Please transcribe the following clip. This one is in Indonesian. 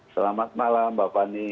selamat malam mbak fani